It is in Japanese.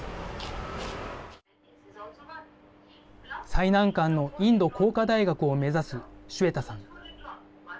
最難関のインド工科大学を目指すシュウェタさん。